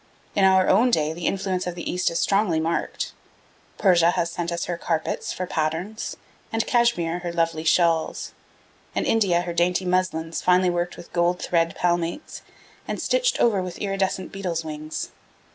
In our own day the influence of the East is strongly marked. Persia has sent us her carpets for patterns, and Cashmere her lovely shawls, and India her dainty muslins finely worked with gold thread palmates, and stitched over with iridescent beetles' wings.